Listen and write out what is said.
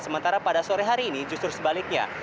sementara pada sore hari ini justru sebaliknya